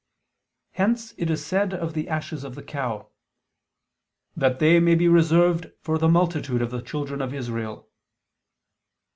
Hence it is said of the ashes of the cow: "That they may be reserved for the multitude of the children of Israel."